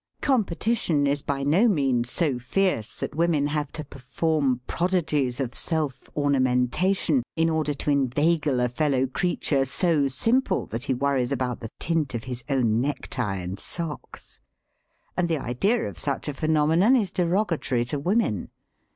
Competition is by no means so fierce that women have to perform prodigies of self omamentation in order to in veigle a fellow creature so simple that he worries about the tint of his own necktie and socks; and the idea of such a phenomenon is derogatory to women.